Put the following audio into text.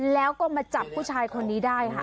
แล้วก็มาจับผู้ชายคนนี้ได้ค่ะ